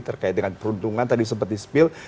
terkait dengan peruntungan tadi seperti spil